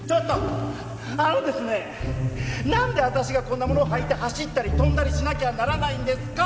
なんで私がこんなものを履いて走ったり跳んだりしなきゃならないんですか？